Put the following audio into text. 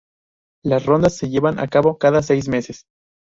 Las rondas se llevan a cabo cada seis meses.